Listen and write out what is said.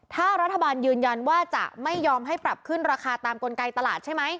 ถ้ารัฐบาลยืนยันว่าจะไม่ยอมให้ปรับขึ้นราคาตามกลไกตลาดใช่ไหม